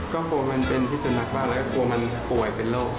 ก็กลัวมันเป็นพิสุนักบ้างแล้วก็กลัวมันป่วยเป็นโรค